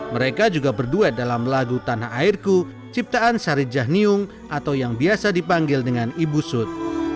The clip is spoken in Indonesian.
mereka juga berduet dalam lagu tanah airku ciptaan syarid jahniung atau yang biasa dipanggil dengan ibu sut